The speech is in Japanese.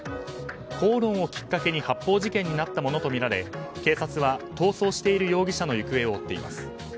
口論をきっかけに発砲事件になったものとみられ警察は、逃走している容疑者の行方を追っています。